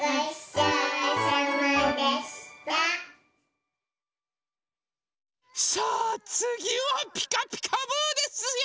さあつぎは「ピカピカブ！」ですよ！